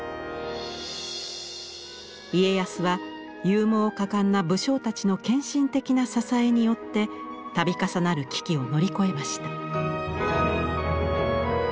家康は勇猛果敢な武将たちの献身的な支えによって度重なる危機を乗り越えました。